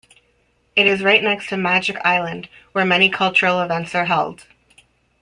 It is right next to "Magic Island" where many cultural events are held.